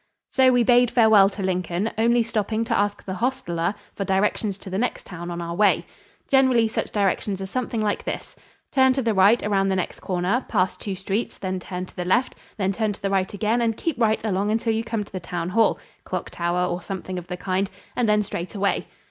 So we bade farewell to Lincoln, only stopping to ask the hostler for directions to the next town on our way. Generally such directions are something like this: "Turn to the right around the next corner, pass two streets, then turn to the left, then turn to the right again and keep right along until you come to the town hall" clock tower, or something of the kind "and then straight away."